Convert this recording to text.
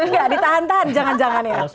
enggak ditahan tahan jangan jangan ya